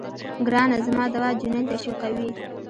ګرانه زما دوا جنين تشويقوي.